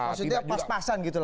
maksudnya pas pasan gitu loh